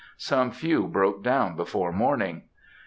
Some few broke down before morning.